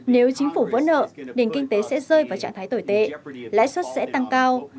nếu chính phủ vỡ nợ nền kinh tế sẽ rơi vào trạng thái tồi tệ lãi suất sẽ tăng cao